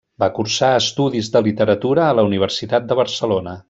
Va cursar estudis de literatura a la Universitat de Barcelona.